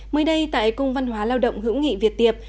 mới đây tại cung văn hóa lao động hữu nghị việt tiệp